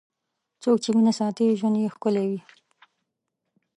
څوک چې مینه ساتي، ژوند یې ښکلی وي.